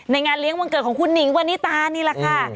งานเลี้ยงวันเกิดของคุณหนิงวันนี้ตานี่แหละค่ะ